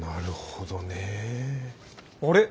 あれ？